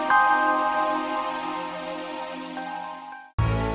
sampai jumpa lagi man